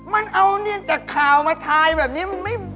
มันเอาเนี่ยจากข่าวมาทายแบบนี้มันไม่